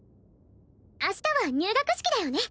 明日は入学式だよね